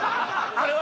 あれは。